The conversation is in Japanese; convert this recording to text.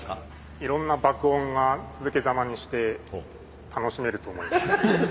いろんな爆音が続けざまにして楽しめると思います。